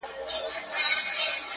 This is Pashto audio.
• دا کيسه درس ورکوي ډېر..